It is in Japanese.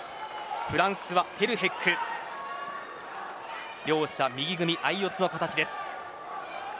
フランスはテルヘック。両者右組み、相四つの形です。